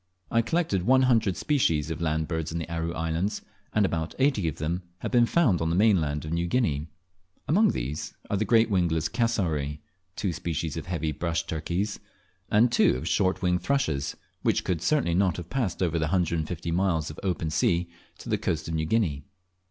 I collected one hundred species of land birds in the Aru Islands, and about eighty of them, have been found on the mainland of New Guinea. Among these are the great wingless cassowary, two species of heavy brush turkeys, and two of short winged thrushes; which could certainly not have passed over the 150 miles of open sea to the coast of New Guinea.